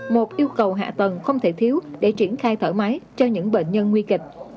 một yêu cầu hạ tầng không thể thiếu để triển khai thở máy cho những bệnh nhân nguy kịch